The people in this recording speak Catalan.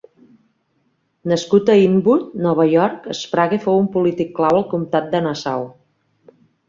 Nascut a Inwood, Nova York, Sprague fou un polític clau al comtat de Nassau.